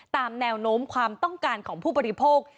ตามแนวโน้มความต้องการของผู้บริโภค